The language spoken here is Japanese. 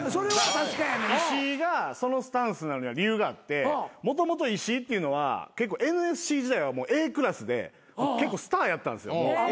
石井がそのスタンスなのには理由があってもともと石井っていうのは結構ＮＳＣ時代はＡクラスで結構スターやったんすよ。